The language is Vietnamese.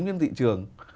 trên thị trường